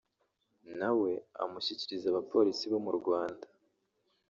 na we amushyikiriza abapolisi bo mu Rwanda